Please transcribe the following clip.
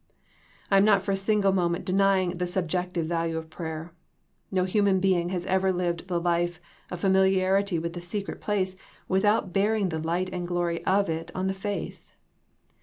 I am not for a single moment denying the sub jective value of prayer. K'o human being has ever lived the life of familiarity with the secret place without bearing the light and glory of it on the face.